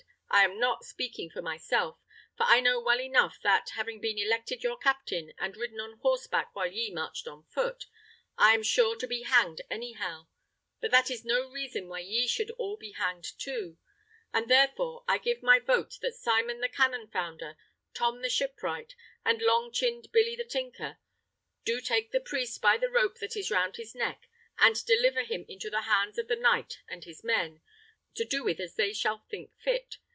I am not speaking for myself, for I know well enough that, having been elected your captain, and ridden on horseback while ye marched on foot, I am sure to be hanged anyhow; but that is no reason that ye should all be hanged too; and, therefore, I give my vote that Simon the cannon founder, Tom the shipwright, and long chinned Billy the tinker, do take the priest by the rope that is round his neck, and deliver him into the hands of the knight and his men, to do with as they shall think fit.